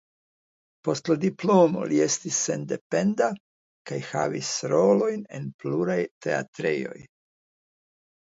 Post la diplomo li estis sendependa kaj havis rolojn en pluraj teatrejoj.